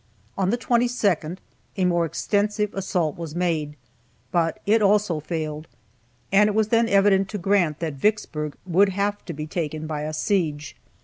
On the 22nd a more extensive assault was made, but it also failed, and it was then evident to Grant that Vicksburg would have to be taken by a siege.